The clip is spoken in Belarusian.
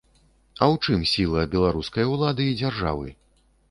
А ў чым сіла беларускай улады і дзяржавы?